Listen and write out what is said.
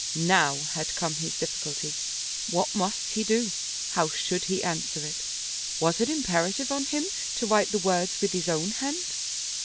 Now had come his difficulty. What must he do? How should he answer it? Was it imperative on him to write the words with his own hand?